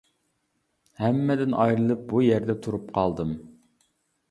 ھەممىدىن ئايرىلىپ بۇ يەردە تۇرۇپ قالدىم.